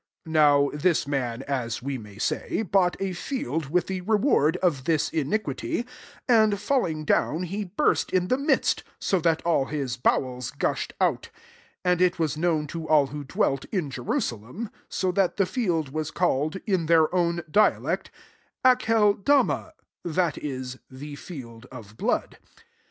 18 (Now this martt as we may say, bought a field with the reward o^thia in iquity; and falling down, he burst in the midst, so that all his bowels gushed out:* 19 and it was known to all who dwelt in Jerusalem ; so that the field was called, in their own dia lect, Aceldama, that is. The field of blood.